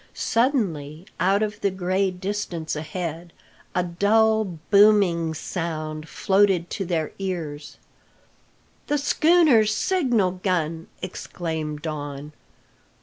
Suddenly, out of the gray distance ahead, a dull booming sound floated to their ears. "The schooner's signal gun!" exclaimed Don.